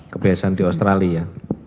kebiasaan di australia